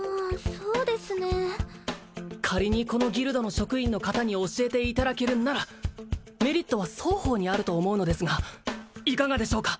そうですねえ仮にこのギルドの職員の方に教えていただけるならメリットは双方にあると思うのですがいかがでしょうか？